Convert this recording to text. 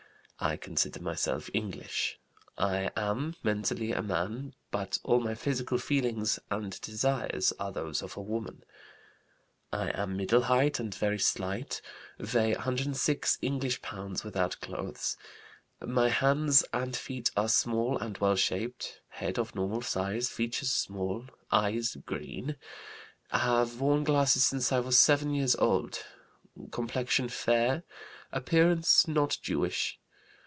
I consider myself English. I am mentally a man, but all my physical feelings and desires are those of a woman. "I am middle height and very slight. Weigh 106 English pounds, without clothes. My hands and feet are small and well shaped. Head of normal size. Features small. Eyes green. Have worn glasses since I was 7 years old. Complexion fair. Appearance not Jewish.